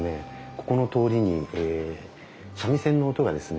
ここの通りに三味線の音がですね